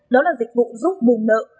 đó là dịch vụ giúp bùng nợ